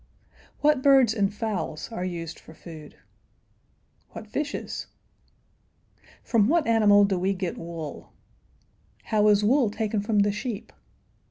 What birds and fowls are used for food? What fishes? From what animal do we get wool? How is wool taken from the sheep?